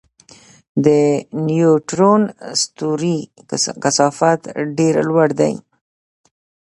د نیوټرون ستوري کثافت ډېر لوړ دی.